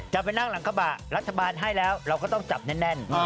จะไปนั่งหลังกระบะรัฐบาลให้แล้วเราก็ต้องจับแน่น